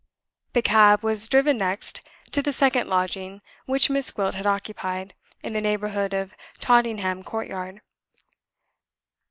The cab was driven next to the second lodging which Miss Gwilt had occupied, in the neighborhood of Tottenham Court Road.